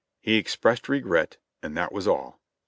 He expressed regret, and that was all.